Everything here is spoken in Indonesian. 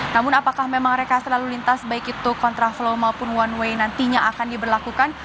namun apakah memang rekasa lalu lintas baik itu kontraflow maupun one way nantinya akan diberlakukan